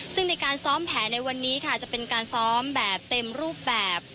ซึ่งในการซ้อมแผลในวันนี้ค่ะจะเป็นการซ้อมแบบเต็มรูปแบบ